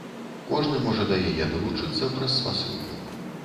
Кожны можа да яе далучыцца праз спасылку.